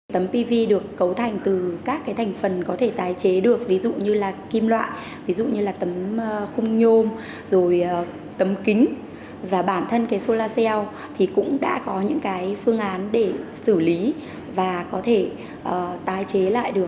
tấm pv được cấu thành từ các cái thành phần có thể tái chế được ví dụ như là kim loại ví dụ như là tấm khung nhôm rồi tấm kính và bản thân cái solar cell thì cũng đã có những cái phương án để xử lý và có thể tái chế lại được